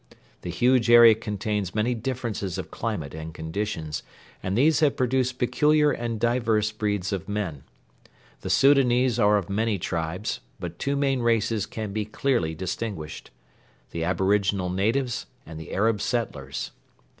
The huge area contains many differences of climate and conditions, and these have produced peculiar and diverse breeds of men. The Soudanese are of many tribes, but two main races can be clearly distinguished: the aboriginal natives, and the Arab settlers.